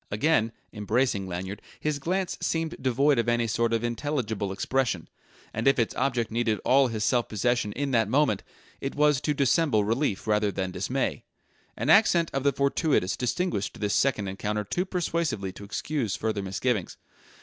Again, embracing Lanyard, his glance seemed devoid of any sort of intelligible expression; and if its object needed all his self possession in that moment, it was to dissemble relief rather than dismay. An accent of the fortuitous distinguished this second encounter too persuasively to excuse further misgivings.